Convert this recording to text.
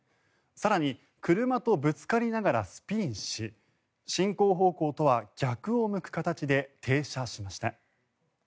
更に車とぶつかりながらスピンし進行方向とは逆を向く形で停車しました。